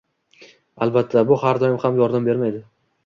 Albatta, bu har doim ham yordam bermaydi